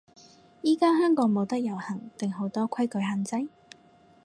依家香港冇得遊行定好多規矩限制？